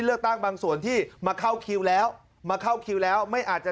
เลือกตั้งบางส่วนที่มาเข้าคิวแล้วมาเข้าคิวแล้วไม่อาจจะ